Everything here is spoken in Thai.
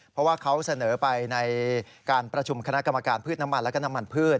เพราะว่าเขาเสนอไปในการประชุมคณะกรรมการพืชน้ำมันและน้ำมันพืช